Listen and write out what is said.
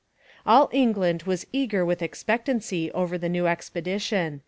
] All England was eager with expectancy over the new expedition.